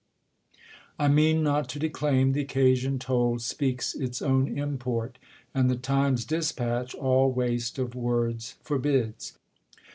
I mean not to declaim : the occasion told Speaks its own import, and the time's dispatch All waste of words forbids.